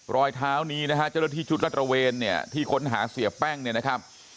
รอยเท้านี้นะฮะเจ้าหน้าที่ชุดรัฐระเวนเนี่ยที่ค้นหาเสียแป้งเนี่ยนะครับ